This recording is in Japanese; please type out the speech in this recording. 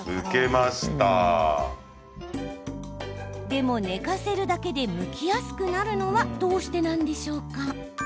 でも寝かせるだけでむきやすくなるのはどうしてなんでしょうか？